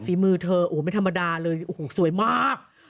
ฝีมือเธอไม่ธรรมดาเลยสวยมาก